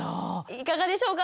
いかがでしょうか？